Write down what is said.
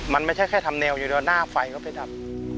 มันไม่ใช่แค่ทำแนวอยู่แล้วหน้าไฟก็ไปดับ